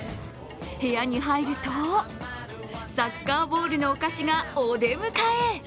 部屋に入ると、サッカーボールのお菓子がお出迎え。